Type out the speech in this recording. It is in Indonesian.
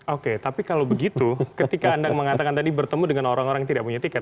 oke tapi kalau begitu ketika anda mengatakan tadi bertemu dengan orang orang yang tidak punya tiket